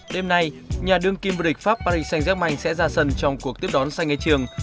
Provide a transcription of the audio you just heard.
đêm nay nhà đường kim vua địch pháp paris saint germain sẽ ra sân trong cuộc tiếp đón saint étienne